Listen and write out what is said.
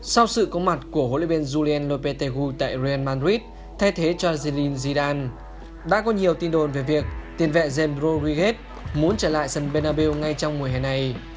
sau sự có mặt của hội luyện viên julien lopetegu tại real madrid thay thế cho zidane đã có nhiều tin đồn về việc tiền vẹ zembro righet muốn trở lại sân bernabeu ngay trong mùa hè này